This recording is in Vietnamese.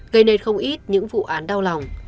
gây nệt không ít những vụ án đau lòng